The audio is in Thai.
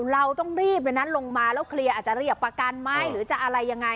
เราต้องรีบเลยนะลงมาแล้วเคลียร์อาจจะเรียกประกันไหมหรือจะอะไรยังไง